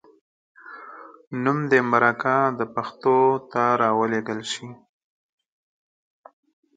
نوم دې مرکه د پښتو ته راولیږل شي.